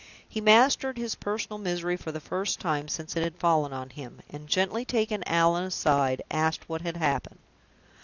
He mastered his personal misery for the first time since it had fallen on him, and gently taking Allan aside, asked what had happened.